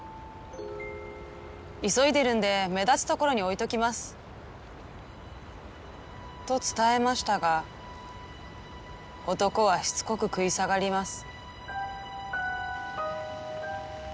「急いでるんで目立つところに置いときます」と伝えましたが男はしつこく食い下がります。